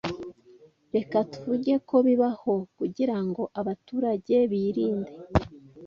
Reka tuvuge ko bibaho kugirango abaturage birinde